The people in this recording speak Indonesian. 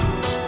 ini kecil nih